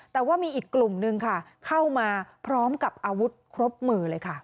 แต่ว่ามีอีกกลุ่มหนึ่งเข้ามาพร้อมกับอาวุธครบมือ